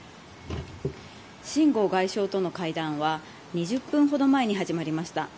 泰剛外相との会談は２０分ほど前に始まりました。